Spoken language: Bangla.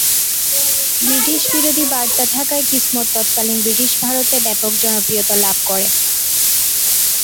ব্রিটিশ বিরোধী বার্তা থাকায় কিসমত তৎকালীন ব্রিটিশ ভারতে ব্যাপক জনপ্রিয়তা লাভ করে।